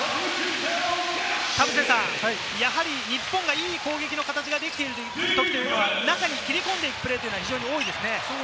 日本がいい攻撃の形ができているときは中に切り込んでいくプレーが多いですね。